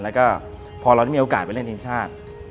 แล้วก็พอเราได้มีโอกาสไปเล่นทีมชาติ